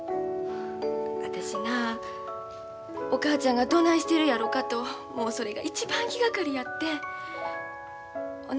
私なお母ちゃんがどないしてるやろかともうそれが一番気がかりやってん。